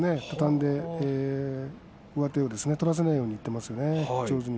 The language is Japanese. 畳んで上手を取らせないようにいってますね。